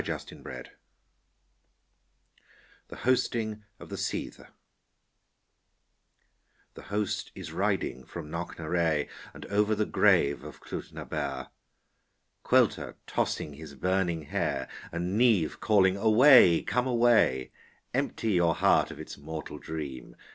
6l Notes 65 THE HOSTING OF THE SIDHE , The host is riding from Knocknarea And over the grave of Clooth na bare; Caolte tossing his burning hair And Niamh calling Away, come away: Empty your heart of its viortal dream.